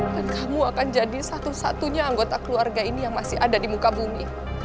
dan kamu akan jadi satu satunya anggota keluarga ini yang masih ada di muka bumi